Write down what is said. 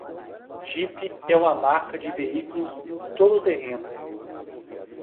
Jeep é uma marca de veículos todo-terreno.